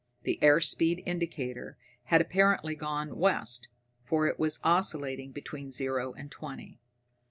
The air speed indicator had apparently gone west, for it was oscillating between zero and twenty.